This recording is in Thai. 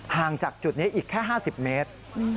ห่างจากจุดนี้อีกแค่๕๐เมตร